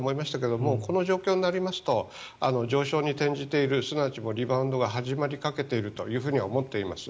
もうこの状況になりますと上昇に転じているすなわちリバウンドが始まりかけていると思っています。